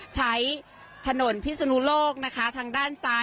ใช้ถนนพิศนุโลกนะคะทางด้านซ้าย